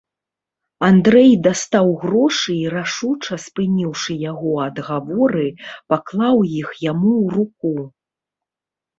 Андрэй дастаў грошы і, рашуча спыніўшы яго адгаворы, паклаў іх яму ў руку.